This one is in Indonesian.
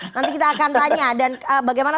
nanti kita akan tanya dan bagaimana